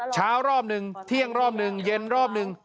เช้ารอบหนึ่งเที่ยงรอบหนึ่งเย็นรอบหนึ่ง